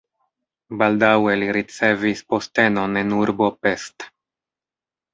Baldaŭe li ricevis postenon en urbo Pest.